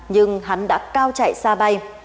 nhưng hắn đã cao chạy xa bay